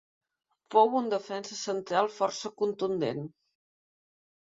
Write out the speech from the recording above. Fou un defensa central força contundent.